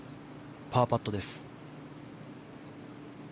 パーパットです。